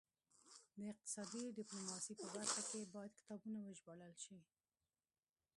د اقتصادي ډیپلوماسي په برخه کې باید کتابونه وژباړل شي